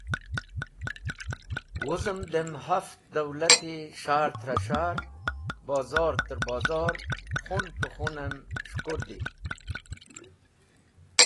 Wuzem dem haft dawlati s̃hahr trẽ s̃hahr, bozor tẽr bozor, khun pẽ khunem s̃hukurde.